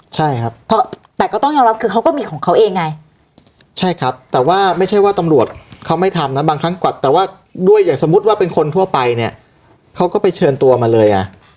ใช่ครับเพราะแต่ก็ต้องยอมรับคือเขาก็มีของเขาเองไงใช่ครับแต่ว่าไม่ใช่ว่าตำรวจเขาไม่ทำนะบางครั้งกวักแต่ว่าด้วยอย่างสมมุติว่าเป็นคนทั่วไปเนี่ยเขาก็ไปเชิญตัวมาเลยไง